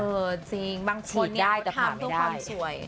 เออจริงบางคนเนี้ยเขาทำทั่วความสวย